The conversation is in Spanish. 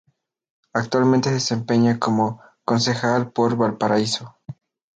Actualmente se desempeña como concejal por Valparaíso.